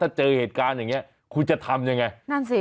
ถ้าเจอเหตุการณ์อย่างเงี้คุณจะทำยังไงนั่นสิ